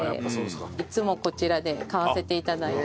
いつもこちらで買わせて頂いて。